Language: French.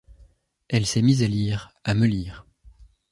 Elle s’est mise à lire, à me lire.